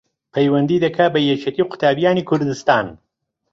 پەیوەندی دەکا بە یەکێتی قوتابیانی کوردستان